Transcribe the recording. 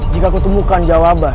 jika aku temukan jawaban